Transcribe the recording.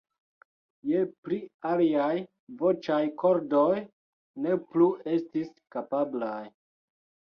Je pli liaj voĉaj kordoj ne plu estis kapablaj.